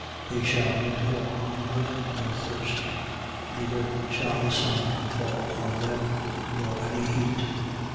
7:16. They shall no more hunger nor thirst: neither shall the sun fall on them, nor any heat.